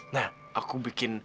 nah aku bikin